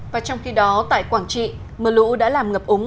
và trong khi đó tại quảng trị mưa lũ đã làm ngập ống